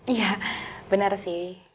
iya benar sih